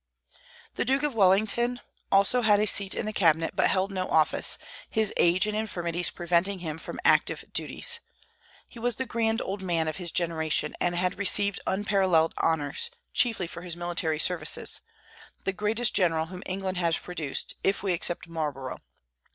The Duke of Wellington also had a seat in the cabinet, but held no office, his age and infirmities preventing him from active duties. He was "the grand old man" of his generation, and had received unparalleled honors, chiefly for his military services, the greatest general whom England has produced, if we except Marlborough.